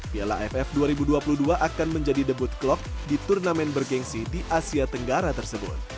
piala aff dua ribu dua puluh dua akan menjadi debut klop di turnamen bergensi di asia tenggara tersebut